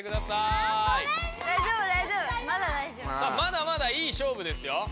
さあまだまだいい勝負ですよ。